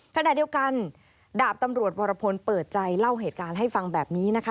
ขณะเดียวกันดาบตำรวจวรพลเปิดใจเล่าเหตุการณ์ให้ฟังแบบนี้นะคะ